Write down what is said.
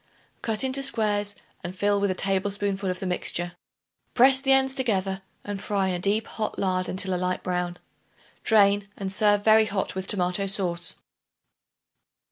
Cut into squares and fill with a tablespoonful of the mixture. Press the ends together and fry in deep hot lard until a light brown. Drain and serve very hot with tomato sauce.